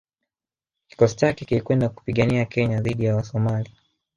Kikosi chake kilikwenda kupigania Kenya dhidi ya Wasomali